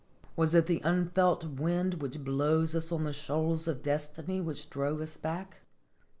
Was it the unfelt wind which blows us on the shoals of destiny which drove us back